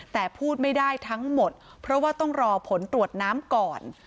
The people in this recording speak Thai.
แต่พูดไม่ได้ทั้งหมดเพราะว่าต้องรอผลตรวจน้ำก่อน